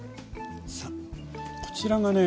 さあこちらがね